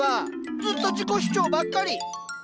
ずっと自己主張ばっかり。